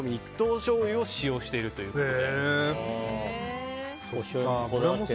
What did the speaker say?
醤油を使用しているということで。